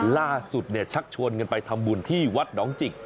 ล่าสุดชักชวนกันไปทำบุญที่วัดหนองจิก